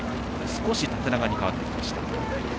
少し縦長に変わってきました。